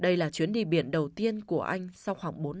đây là chuyến đi biển đầu tiên của anh sau khoảng bốn năm bỏ nghề